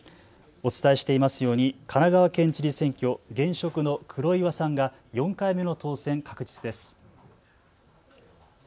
お伝えしていますように神奈川県知事選挙、現職の黒岩さんが４回目の当選確実です。